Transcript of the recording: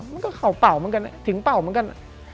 มันก็เข่าเป่าเหมือนกันถึงเป่าเหมือนกัน